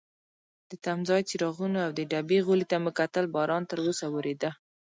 د تمځای څراغونو او د ډبې غولي ته مو کتل، باران تراوسه وریده.